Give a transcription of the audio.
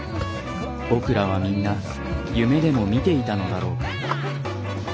僕らはみんな夢でも見ていたのだろうか。